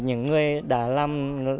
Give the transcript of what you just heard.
những người đã làm